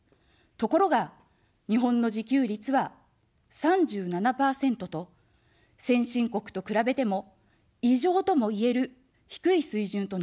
ところが、日本の自給率は３７％と、先進国と比べても、異常ともいえる低い水準となっています。